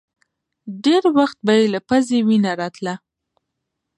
ډېر وخت به يې له پزې وينه راتله.